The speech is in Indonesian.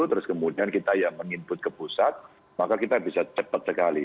terus kemudian kita yang meng input ke pusat maka kita bisa cepat sekali